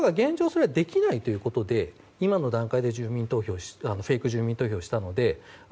それはできないということで今の段階でフェイク住民投票をしたので。